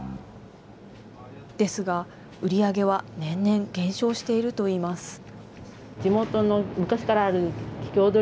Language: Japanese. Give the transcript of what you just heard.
ですが、売り上げは年々減少しているといいます。